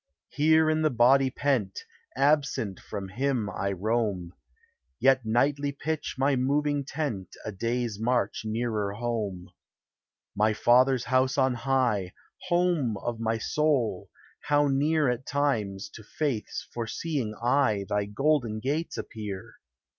Here in the body pent, Absent from him I roam, Yet nightly pitch my moving tent A day's march nearer home. My Father's house on high, Home of my soul ! how near, At times, to faith's foreseeing eye Thy golden gates appear!